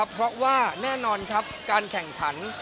เพราะว่าแน่นอนครับการแข่งขัน